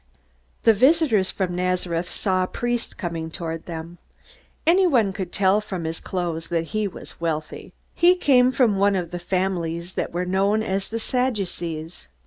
The visitors from Nazareth saw a priest coming toward them. Anyone could tell from his clothes that he was wealthy. He came from one of the families that were known as the Sadducees.